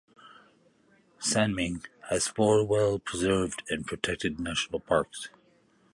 Sanming has four well preserved and protected National Parks.